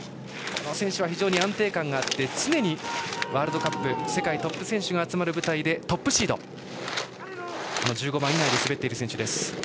この選手は安定感があって、常にワールドカップ世界トップ選手が集まる舞台でトップシード１５番以内で滑っている選手です。